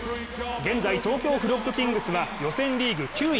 現在、東京フロッグキングスは予選リーグ９位。